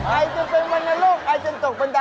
ไอจะเป็นวรรณลูกไอจะตกเบนดัย